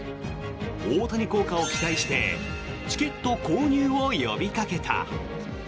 大谷効果を期待してチケット購入を呼びかけた。